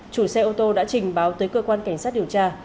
chủ xe ô tô đã trình báo tới cơ quan cảnh sát điều tra